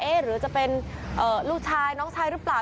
หรือจะเป็นลูกชายน้องชายหรือเปล่า